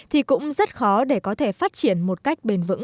thì cũng rất khó để có thể phát triển một cách bền vững